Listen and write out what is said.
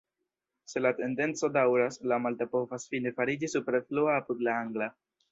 Se la tendenco daŭras, la malta povas fine fariĝi superflua apud la angla.